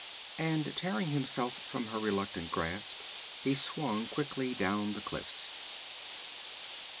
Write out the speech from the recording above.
And tearing himself from her reluctant grasp, he swung quickly down the cliffs.